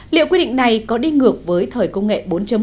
liệu quy định này có đi ngược với thời công nghệ bốn